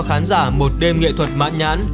khán giả một đêm nghệ thuật mãn nhãn